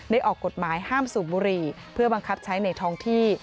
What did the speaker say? ออกกฎหมายห้ามสูบบุหรี่เพื่อบังคับใช้ในท้องที่